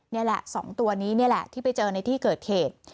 นี่แหละ๒ตัวนี้นี่แหละที่ไปเจอในที่เกิดเหตุ